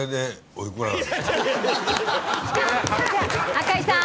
赤井さん？